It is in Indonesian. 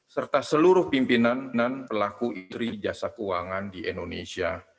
serta seluruh pimpinan dan pelaku industri jasa keuangan di indonesia